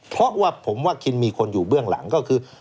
เพราะว่าผมว่าคินมีคนอยู่เบื้องหลังก็คือ